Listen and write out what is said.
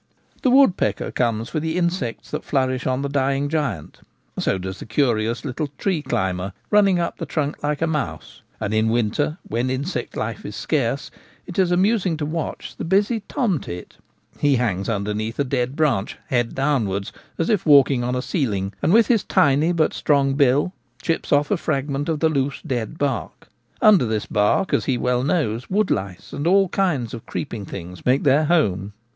The woodpecker comes for the insects Inhabitants of a Hollow Tree. 79 that flourish on the dying giant ; so does the curious little tree climber, running up the trunk like a mouse ; and in winter, when insect life is scarce, it is amusing to watch there the busy tomtit. He hangs under neath a dead branch, head downwards, as if walking on a ceiling, and with his tiny but strong bill chips off a fragment of the loose dead bark. Under this bark, as he well knows, woodlice and all kinds of creeping things make their home.